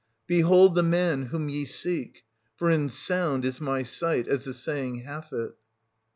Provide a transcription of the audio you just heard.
Behold the man whom ye seek ! for in sound is my sight, as the saying hath it.